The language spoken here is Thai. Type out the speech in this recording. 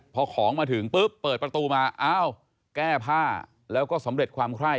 พอของมาถึงปุ๊บเปิดประตูมาอ้าวแก้ผ้าแล้วก็สำเร็จความไคร้